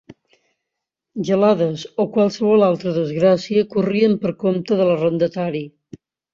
Gelades o qualsevol altra desgràcia corrien per compte de l'arrendatari.